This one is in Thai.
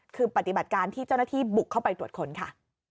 คือปฏิบัติการที่เจ้าหน้าที่บุกเข้าไปตรวจค้นค่ะ